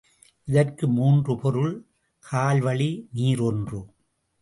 இதற்கு மூன்று பொருள்— கால்வழி நீர் ஒன்று.